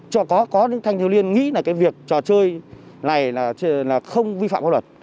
có những thanh thiếu liên nghĩ là cái việc trò chơi này là không vi phạm pháp luật